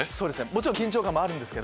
もちろん緊張感もあるんですけど。